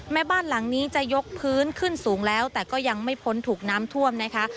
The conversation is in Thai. บ้านหลังนี้จะยกพื้นขึ้นสูงแล้วแต่ก็ยังไม่พ้นถูกน้ำท่วมนะคะ